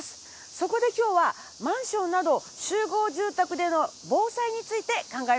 そこで今日はマンションなど集合住宅での防災について考えます。